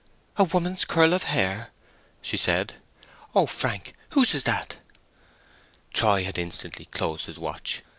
"A woman's curl of hair!" she said. "Oh, Frank, whose is that?" Troy had instantly closed his watch.